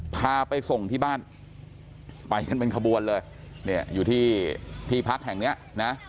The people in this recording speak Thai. พาไปส่งที่บ้านไปกันเป็นขบวนเลยเนี่ยอยู่ที่ที่พักแห่งเนี้ยนะ